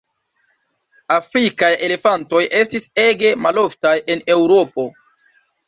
Afrikaj elefantoj estis ege maloftaj en Eŭropo.